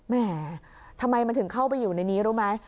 แม่ทำไมมันถึงเข้าไปอยู่ในนี้รู้ไหม